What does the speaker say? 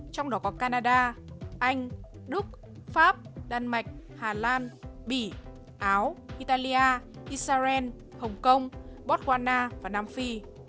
trong đó có canada anh đức pháp đan mạch hà lan bỉ áo italia israel hồng kông bottwana và nam phi